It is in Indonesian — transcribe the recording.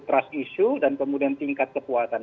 trust issue dan kemudian tingkat kekuatan